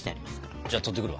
じゃあ取ってくるわ。